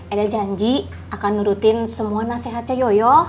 eda janji akan nurutin semua nasihat coyoyoh